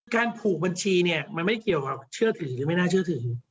การผูกบัญชีเนี่ยมันไม่เกี่ยวกับเชื่อถือหรือไม่น่าเชื่อถือ